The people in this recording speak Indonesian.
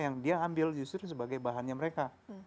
yang dia ambil justru sebagai bahannya mereka